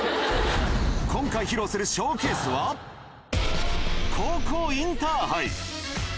今回披露するショーケースは高校インターハイ。